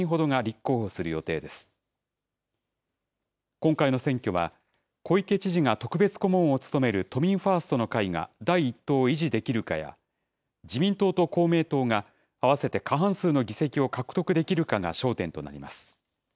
今回の選挙は、小池知事が特別顧問を務める都民ファーストの会が第１党を維持できるかや、自民党と公明党が合わせて過半数の議席を獲得できるかが焦点となります。